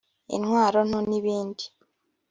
intwaro nto n’ibindi